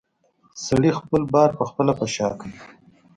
سړي خپل بار پخپله په شا کړ.